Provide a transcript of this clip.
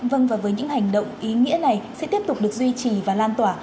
vâng và với những hành động ý nghĩa này sẽ tiếp tục được duy trì và lan tỏa